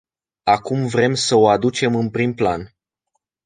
Acum vrem să o aducem în prim plan.